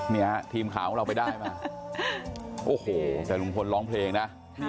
เนี่ยทีมข่าวของเราไปได้มาโอ้โหแต่ลุงพลร้องเพลงนะ